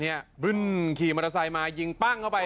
บึ้นขี่มอเตอร์ไซค์มายิงปั้งเข้าไป